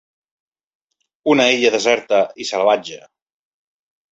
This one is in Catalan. Una illa deserta i salvatge.